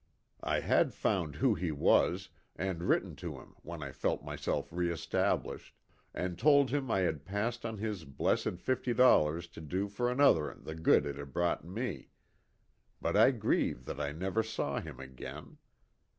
I had found who he was, and written to him when I felt myself reestablished ; and told him I had passed on his blessed fifty dollars to do for another the good it had brought me ; but I grieve that I never saw him again.